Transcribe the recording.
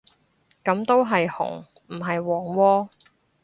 噉都係紅唔係黃喎